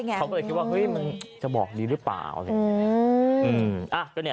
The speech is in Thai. เขาก็เลยคิดว่ามันจะบอกดีหรือเปล่า